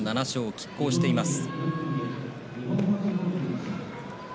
きっ抗しています。